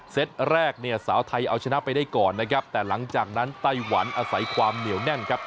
ตแรกเนี่ยสาวไทยเอาชนะไปได้ก่อนนะครับแต่หลังจากนั้นไต้หวันอาศัยความเหนียวแน่นครับ